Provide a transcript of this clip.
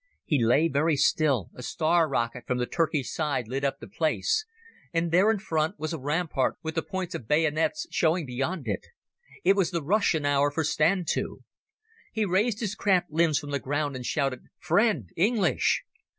He lay very still, a star rocket from the Turkish side lit up the place, and there in front was a rampart with the points of bayonets showing beyond it. It was the Russian hour for stand to. He raised his cramped limbs from the ground and shouted "Friend! English!"